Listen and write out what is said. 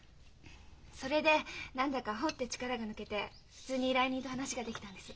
それで何だかホッて力が抜けて普通に依頼人と話ができたんです。